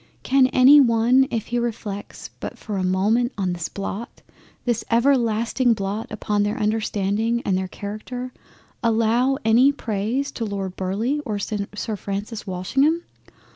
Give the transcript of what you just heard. Can any one if he reflects but for a moment on this blot, this everlasting blot upon their understanding and their Character, allow any praise to Lord Burleigh or Sir Francis Walsingham?